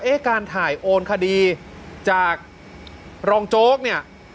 การถ่ายโอนคดีจากรองโจ๊กเนี่ย